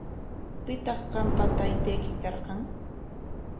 ¿Pitaq qampa taytayki karqan?